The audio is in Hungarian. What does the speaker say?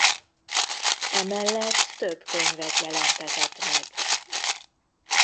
Emellett több könyvet jelentetett meg.